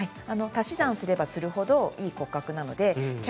足し算すればするほどいい骨格です。